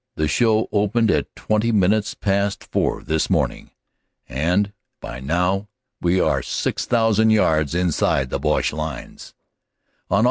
"The show opened at twenty minutes past four this morning and by now we are 6,000 yards inside the Boche lines," On Aug.